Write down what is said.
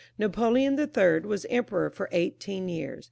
Napoleon III. was emperor for eighteen years.